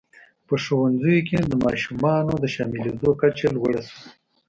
په ښوونځیو کې د ماشومانو د شاملېدو کچه لوړه شوه.